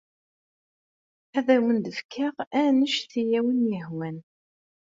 Ad awen-d-fkeɣ anect ay awen-yehwan.